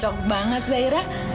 cocok banget zaira